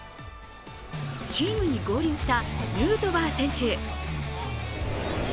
チームに合流したヌートバー選手。